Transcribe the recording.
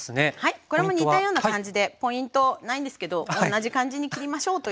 これも似たような感じでポイントないんですけど同じ感じに切りましょうという感じですね。